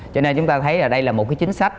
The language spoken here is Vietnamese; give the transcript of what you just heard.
cho nên chúng ta thấy là đây là một cái chính sách